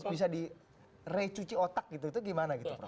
bisa di recuci otak gitu gimana gitu